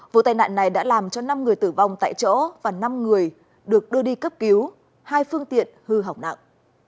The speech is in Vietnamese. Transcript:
vụ tai nạn này đã làm cho năm người tử vong tại chỗ và năm người được đưa đi cấp cứu hai phương tiện hư hỏng nặng